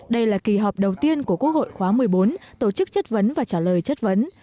đây là kỳ họp đầu tiên của quốc hội khóa một mươi bốn tổ chức chất vấn và trả lời chất vấn